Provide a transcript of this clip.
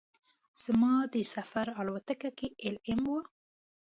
زما د سفر الوتکه کې ایل ایم وه.